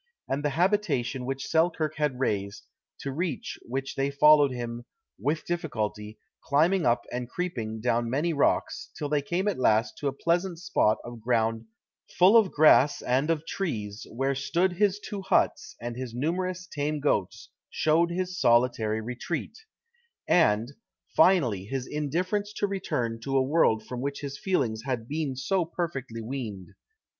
And the habitation which Selkirk had raised, to reach which they followed him "with difficulty, climbing up and creeping down many rocks, till they came at last to a pleasant spot of ground full of grass and of trees, where stood his two huts, and his numerous tame goats showed his solitary retreat;" and, finally, his indifference to return to a world from which his feelings had been so perfectly weaned.